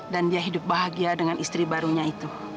dan dia hidup bahagia dengan istri barunya itu